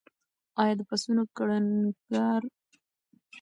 ایا د پسونو کړنګار به تر ماښامه پورې دوام ولري؟